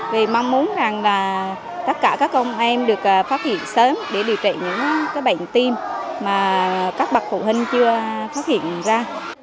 vì mong muốn rằng là tất cả các công em được phát hiện sớm để điều trị những bệnh tim mà các bậc phụ huynh chưa phát hiện ra